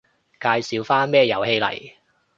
介紹返咩遊戲嚟